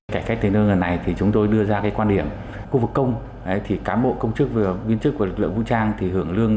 cải cách tính lương này thì chúng tôi đưa ra cái quan điểm khu vực công thì cán bộ công chức và viên chức của lực lượng vũ trang thì hưởng lợi